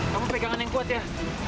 kamu pegangan yang kuat ya